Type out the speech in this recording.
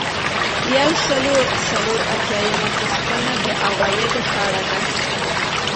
یو سل او څلور اتیایمه پوښتنه د عوایدو په اړه ده.